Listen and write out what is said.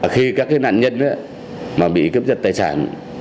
khi các nạn nhân mà bị cướp giật tài sản